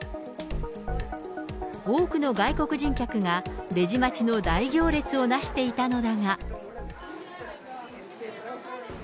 多くの外国人客が、レジ待ちの大行列を成していたのだが。